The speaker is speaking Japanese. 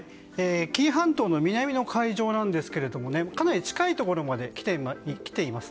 紀伊半島の南の海上なんですがかなり近いところまで来ています。